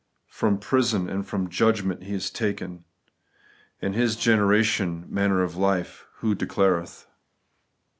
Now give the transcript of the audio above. From prison and from judgment He is taken, And His generation (manner of life) who declareth